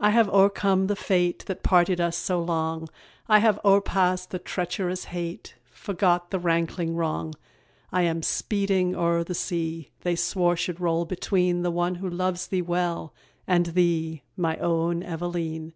I have o'ercome the fate That parted us so long; I have o'erpast the treacherous hate, Forgot the rankling wrong. I am speeding o'er the sea They swore should roll between The one who loves thee well, and thee, My own Eveleen!